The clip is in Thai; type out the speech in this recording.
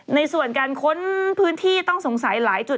ในส่วนการค้นพื้นที่ต้องสงสัยหลายจุด